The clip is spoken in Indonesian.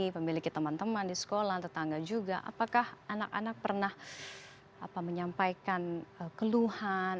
memiliki teman teman di sekolah tetangga juga apakah anak anak pernah menyampaikan keluhan